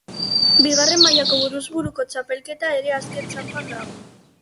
Bigarren mailako buruz-buruko txapelketa ere azken txanpan da.